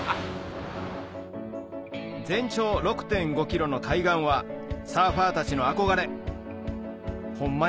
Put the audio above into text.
全長６．５ｋｍの海岸はサーファーたちの憧れホンマ